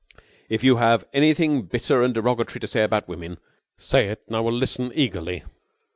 "If you have anything bitter and derogatory to say about women, say it and I will listen eagerly.